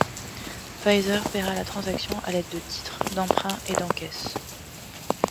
Pfizer paiera la transaction à l'aide de titres, d'emprunts et d'encaisse.